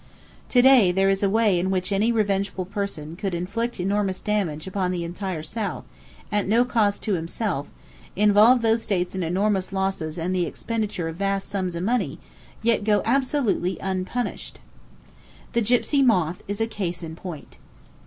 To day, there is a way in which any revengeful person could inflict enormous damage on the entire South, at no cost to himself, involve those states in enormous losses and the expenditure of vast sums of money, yet go absolutely unpunished! The Gypsy Moth is a case in point.